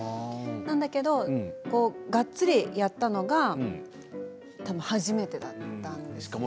なんだけど、がっつりやったのが多分、初めてだったんですよね。